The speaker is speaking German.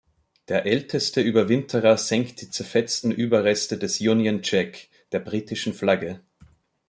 Der älteste Überwinterer senkt die zerfetzten Überreste des Union Jack, der britischen Flagge.